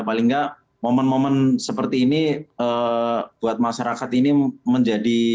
paling nggak momen momen seperti ini buat masyarakat ini menjadi